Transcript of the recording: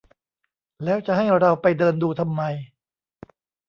แล้วจะให้เราไปเดินดูทำไม